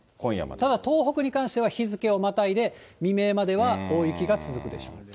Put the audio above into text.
ただ東北に関しては、日付をまたいで未明までは大雪が続くでしょう。